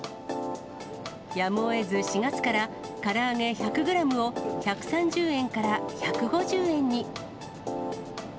やむをえず４月から、から揚げ１００グラムを１３０円から１５０円に。